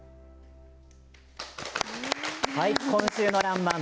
今週の「らんまん」